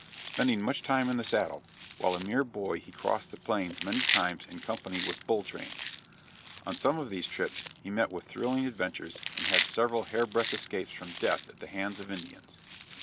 Spending much time in the saddle, while a mere boy he crossed the plains many times in company with bull trains; on some of these trips he met with thrilling adventures and had several hairbreadth escapes from death at the hands of Indians.